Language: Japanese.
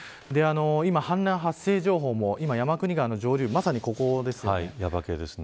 今、氾濫発生情報も山国川の上流まさにここですね。